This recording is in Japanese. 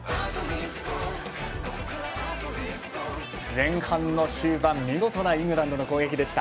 前半の終盤、見事なイングランドの攻撃でした。